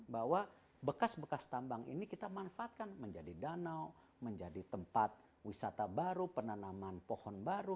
bahwa bekas bekas tambang ini kita manfaatkan menjadi danau menjadi tempat wisata baru penanaman pohon baru